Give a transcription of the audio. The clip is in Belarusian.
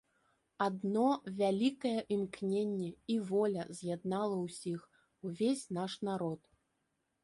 Адно вялікае імкненне і воля з'яднала ўсіх, увесь наш народ.